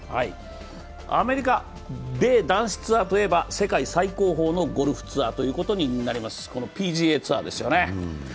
アメリカで男子ツアーといえば世界最高峰のゴルフツアー、このＰＧＡツアーですよね。